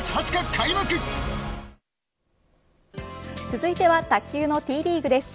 続いては卓球のＴリーグです。